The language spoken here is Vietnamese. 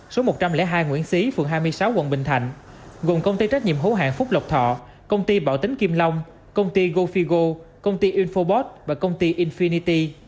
số một trăm linh hai nguyễn xí phường hai mươi sáu quận bình thạnh gồm công ty trách nhiệm hữu hạng phúc lộc thọ công ty bảo tính kim long công ty gofigo công ty infobot và công ty infinity